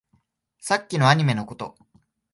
さっきのアニメのこと